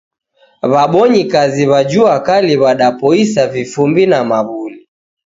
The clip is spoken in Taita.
Wabonyikazi wa juakali wadapoisa vifumbi na mawuli.